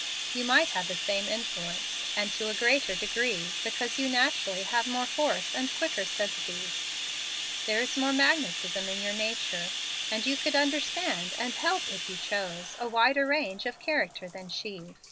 You might have the same influence, and to a greater degree, because you naturally have more force and quicker sympathies. There is more magnetism in your nature, and you could understand and help, if you chose, a wider range of character than she.